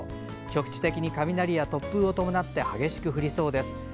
局地的に雷や突風を伴って激しく降りそうです。